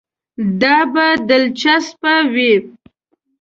دا به دلچسپه وي.